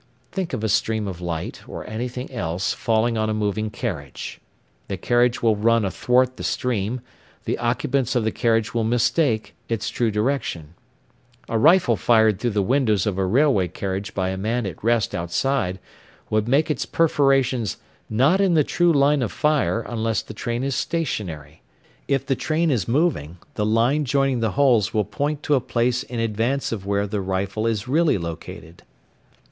Think of a stream of light or anything else falling on a moving carriage. The carriage will run athwart the stream, the occupants of the carriage will mistake its true direction. A rifle fired through the windows of a railway carriage by a man at rest outside would make its perforations not in the true line of fire unless the train is stationary. If the train is moving, the line joining the holes will point to a place in advance of where the rifle is really located.